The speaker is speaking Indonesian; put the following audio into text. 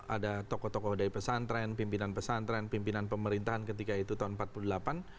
ada tokoh tokoh dari pesantren pimpinan pesantren pimpinan pemerintahan ketika itu tahun seribu sembilan ratus empat puluh delapan